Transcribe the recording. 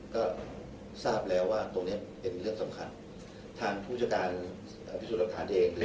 ก็ทราบแล้วว่าตรงนี้เป็นเรื่องสำคัญทางผู้จัดการพิสูจน์หลักฐานเอง